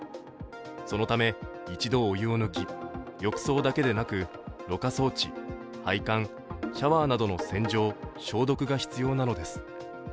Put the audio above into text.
そのため、一度お湯を抜き浴槽だけでなくろ過装置、配管、シャワーなどの洗浄・消毒が必要なのです。